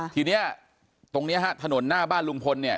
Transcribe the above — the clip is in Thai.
ทีนี้ตรงนี้ฮะถนนหน้าบ้านลุงพลเนี่ย